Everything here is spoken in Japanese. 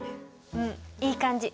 うんいい感じ。